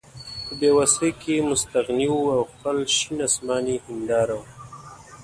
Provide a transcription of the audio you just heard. په بې وسۍ کې مستغني وو او خپل شین اسمان یې هېنداره وه.